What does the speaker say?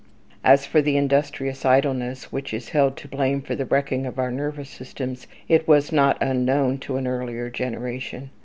As for the industrious idleness which is held to blame for the wrecking of our nervous systems, it was not unknown to an earlier generation.